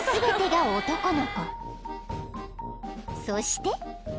［そして］